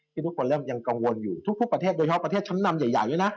ทุกคนเริ่มยังกังวลอยู่ทุกประเทศโดยเฉพาะประเทศชั้นนำใหญ่ด้วยนะ